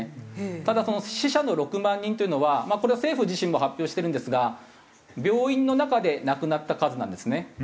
ただ死者の６万人というのはこれは政府自身も発表してるんですが病院の中で亡くなった数なんですね。